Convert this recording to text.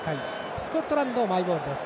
スコットランド、マイボールです。